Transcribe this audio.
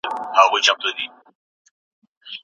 صنعتي سکتور څنګه د حکومت پالیسیو سره تړاو لري؟